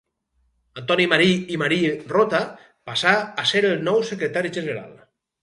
Antoni Marí i Marí Rota, passà a ser el nou secretari general.